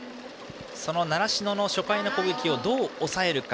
その習志野の初回の攻撃をどう抑えるか。